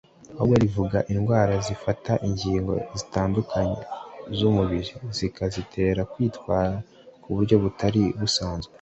ahubwo rivuga indwara zifata ingingo zitandukanye z’umubiri zikazitera kwitwara ku buryo butari busanzwe